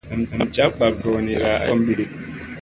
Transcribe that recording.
Nam ja bak goonira ay kom biɗik.